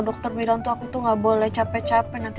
dokter bilang tuh aku tuh gak boleh capek capek nanti